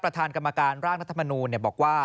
ประธานกรรมการร่างรัฐมนูลบอกว่า